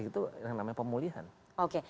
itu yang namanya pemulihan oke